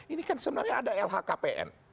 ini kan sebenarnya ada lhkpn